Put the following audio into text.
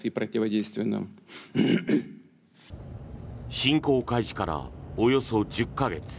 侵攻開始からおよそ１０か月。